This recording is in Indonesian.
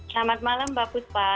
selamat malam mbak kutpa